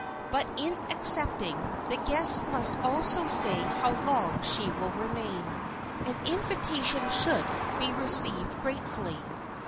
But, in accepting, the guest must also say how long she will remain. An invitation should be received gratefully.